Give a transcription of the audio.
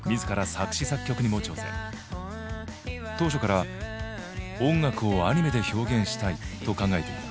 当初から「音楽をアニメで表現したい」と考えていた。